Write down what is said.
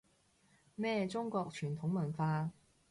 咩中國傳統文化